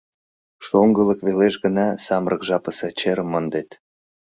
Шоҥгылык велеш гына самырык жапысе черым мондет.